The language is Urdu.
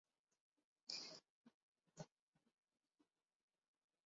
سڑک کے دونوں اطراف مزدور اپنی مزدوری کے انتظار میں